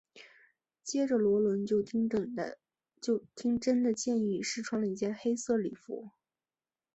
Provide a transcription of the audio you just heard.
接着萝伦就听珍的建议试穿了一件黑色礼服。